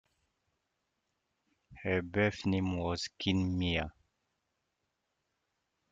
Her birth name was Khin Mya.